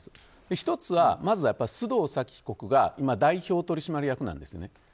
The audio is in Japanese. １つは、まずは須藤早貴被告が今、代表取締役なんですね。